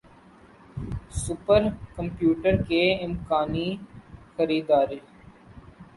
super computer کے امکانی خریدار